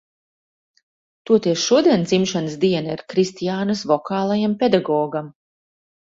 Toties šodien dzimšanas diena ir Kristiānas vokālajam pedagogam.